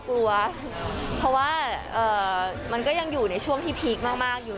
กลัวเพราะว่ามันก็ยังอยู่ในช่วงที่พีคมากอยู่